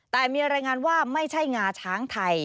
แต่มีรายงานว่าไม่ใช่งาช้างไทย